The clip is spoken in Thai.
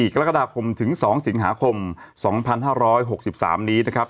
กรกฎาคมถึง๒สิงหาคม๒๕๖๓นี้นะครับ